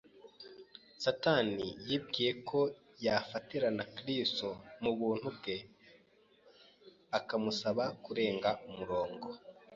Satani yibwiye ko yafatirana Kristo mu bumuntu bwe akamusaba kurenga umurongo